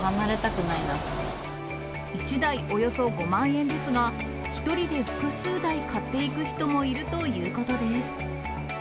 １台およそ５万円ですが、１人で複数台買っていく人もいるということです。